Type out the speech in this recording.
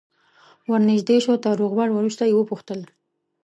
ور نژدې شو تر روغبړ وروسته یې وپوښتل.